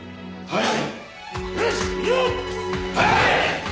はい！